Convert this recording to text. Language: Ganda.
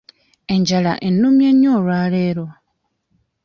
Enjala ennumye nnyo olwaleero.